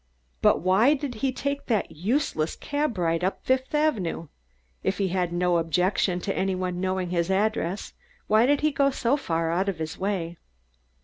But why did he take that useless cab ride up Fifth Avenue? If he had no objection to any one knowing his address, why did he go so far out of his way?